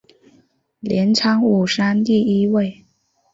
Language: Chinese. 镰仓五山第一位。